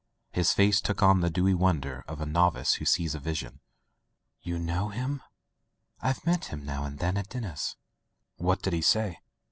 His face took on the dewy wonder of a novice who sees a vision. "You know— him?" "Tve met him, now and then, at dinners." "What did he say?"